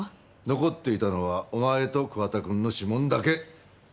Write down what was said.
残っていたのはお前と桑田くんの指紋だけ。